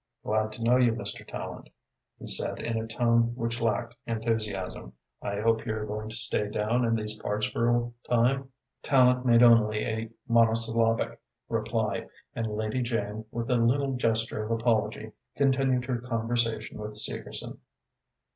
"Glad to know you, Mr. Tallente," he said, in a tone which lacked enthusiasm. "I hope you're going to stay down in these parts for a time?" Tallente made only a monosyllabic reply, and Lady Jane, with a little gesture of apology, continued her conversation with Segerson.